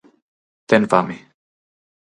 Ten fame.